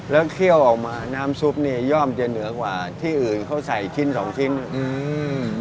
แล้วเคี่ยวออกมาน้ำซุปเนี้ยย่อมจะเหนือกว่าที่อื่นเขาใส่ชิ้นสองชิ้นอืม